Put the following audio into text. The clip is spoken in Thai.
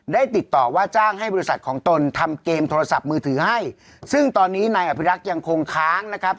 ติดต่อว่าจ้างให้บริษัทของตนทำเกมโทรศัพท์มือถือให้ซึ่งตอนนี้นายอภิรักษ์ยังคงค้างนะครับ